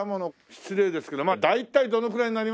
失礼ですけど大体どのくらいになりますかね？